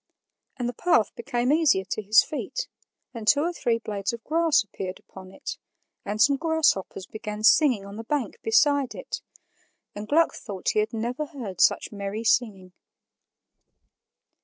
And the path became easier to his feet, and two or three blades of grass appeared upon it, and some grasshoppers began singing on the bank beside it, and Gluck thought he had never heard such merry singing.